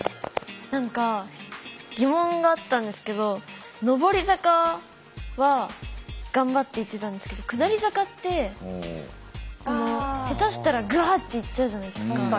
何か疑問があったんですけど上り坂は頑張っていってたんですけど下り坂って下手したらぐわって行っちゃうじゃないですか。